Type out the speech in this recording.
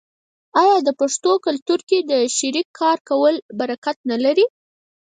آیا د پښتنو په کلتور کې د شریک کار کول برکت نلري؟